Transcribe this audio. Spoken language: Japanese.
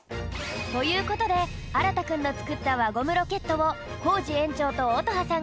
ということであらたくんのつくったわゴムロケットをコージ園長と乙葉さん